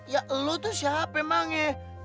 ya lo tuh siapa emang ya